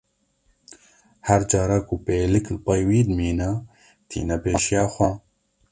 Her cara ku pêlik li pey wî dimîne, tîne pêşiya xwe.